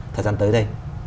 thời gian tới đây